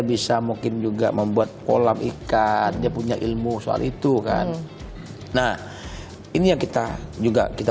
bisa mungkin juga membuat kolam ikan dia punya ilmu soal itu kan nah ini yang kita juga kita